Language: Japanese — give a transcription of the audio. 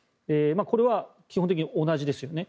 これは基本的に同じですね。